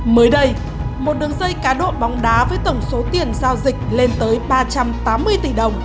mới đây một đường dây cá độ bóng đá với tổng số tiền giao dịch lên tới ba trăm tám mươi tỷ đồng